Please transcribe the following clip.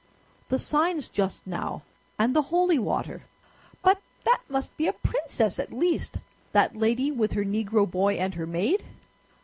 "The signs just now, and the holy water! But that must be a princess, at least—that lady with her Negro boy and her maid!"